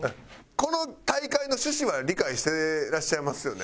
この大会の趣旨は理解してらっしゃいますよね？